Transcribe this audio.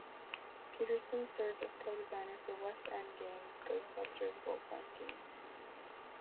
Petersen served as co-designer for West End Games's "Ghostbusters" roleplaying game.